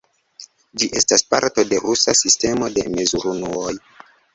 Ĝi estas parto de rusa sistemo de mezurunuoj.